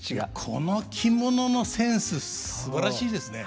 この着物のセンスすばらしいですね。